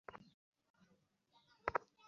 এটা স্পষ্টতই মুক্তিপণের কেস।